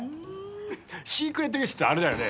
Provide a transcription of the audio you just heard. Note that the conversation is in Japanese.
シークレットゲストってあれだよね？